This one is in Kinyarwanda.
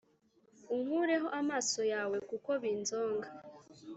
Unkureho amaso yawe Kuko binzonga